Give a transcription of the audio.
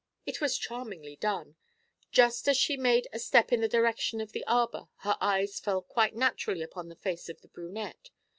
It was charmingly done. Just as she made a step in the direction of the arbour her eyes fell quite naturally upon the face of the brunette.